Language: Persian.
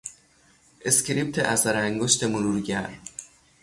اسکریپت اثرانگشت مرورگر